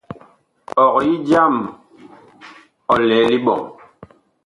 Ɔg yi jam ɔ lɛ liɓɔŋ.